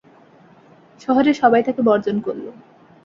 শহরের সবাই তাঁকে বর্জন করল।